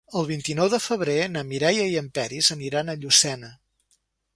El vint-i-nou de febrer na Mireia i en Peris aniran a Llucena.